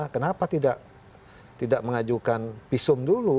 kenapa tidak mengajukan visum dulu